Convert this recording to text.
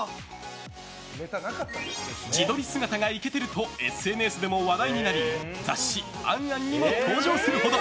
自撮り姿がイケてるとＳＮＳでも話題になり雑誌「ａｎａｎ」にも登場するほど！